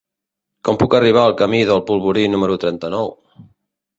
Com puc arribar al camí del Polvorí número trenta-nou?